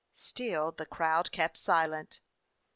Still the crowd kept silent.